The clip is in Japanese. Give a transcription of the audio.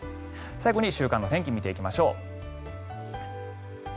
最後に週間の天気を見ていきましょう。